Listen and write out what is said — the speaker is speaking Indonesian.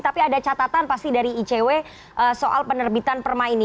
tapi ada catatan pasti dari icw soal penerbitan perma ini